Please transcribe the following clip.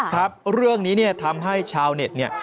ครับเรื่องนี้เนี่ยทำให้ชาวเน็ตเนี่ย